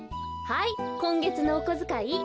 はいこんげつのおこづかい。